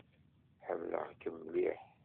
Ḥemmleɣ-kem mliḥ.